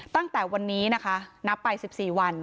ตั้งแต่วันนี้นะคะนับไป๑๔วัน